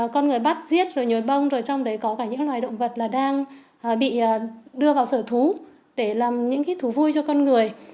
con người bắt giết rồi nhồi bông rồi trong đấy có cả những loài động vật đang bị đưa vào sở thú để làm những thú vui cho con người